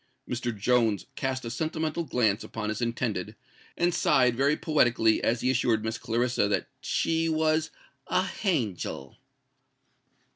Mr. Jones cast a sentimental glance upon his intended, and sighed very poetically as he assured Miss Clarissa that she was "a hangel."